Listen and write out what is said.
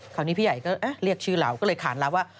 คราวนี้พี่ใหญ่ก็เรียกชื่อเหล่าก็เลยขานแล้วว่า